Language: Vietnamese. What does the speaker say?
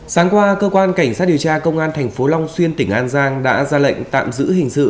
sáng qua cơ quan cảnh sát điều tra công an thành phố long xuyên tỉnh an giang đã ra lệnh tạm giữ hình sự